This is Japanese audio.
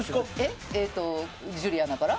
ジュリアナから。